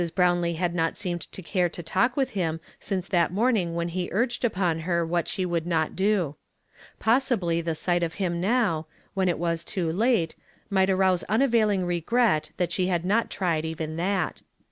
lirownlce had not seemed to care to talk with him since that morn ing when he urged upon her what she would not do. Possibly the sight of him now, when it was too bite, might arouse unavailing regret that she had not tried even that.